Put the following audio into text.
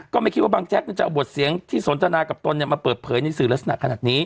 ก็ไม่คิดว่าบางแจ๊กจะเอาบทเสียงที่สนทนากับตนมาเปิดเผยในสื่อลักษณะขนาดนี้